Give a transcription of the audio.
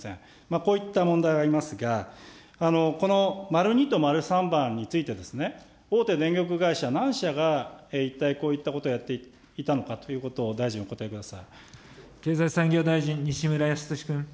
こういった問題がありますが、このまる２とまる３番についてですね、大手電力会社何社が一体こういったことをやっていたのかというこ経済産業大臣、西村康稔君。